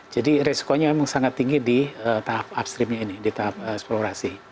jadi riskonya memang sangat tinggi di tahap upstreamnya ini di tahap eksplorasi